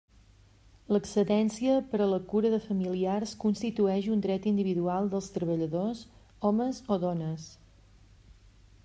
L'excedència per a la cura de familiars constitueix un dret individual dels treballadors, homes o dones.